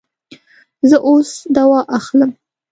زه اوس دوا اخلم